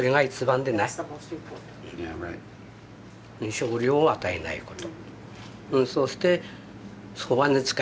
食料を与えないこと。